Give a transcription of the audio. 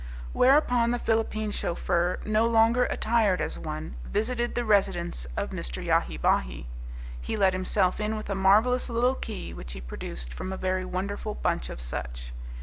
Whereupon, the Philippine chauffeur, no longer attired as one, visited the residence of Mr. Yahi Bahi. He let himself in with a marvellous little key which he produced from a very wonderful bunch of such.